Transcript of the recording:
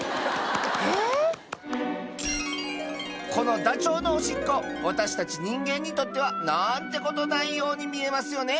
このダチョウのおしっこ私たち人間にとってはなんてことないように見えますよね